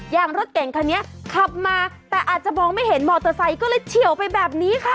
รถเก่งคันนี้ขับมาแต่อาจจะมองไม่เห็นมอเตอร์ไซค์ก็เลยเฉียวไปแบบนี้ค่ะ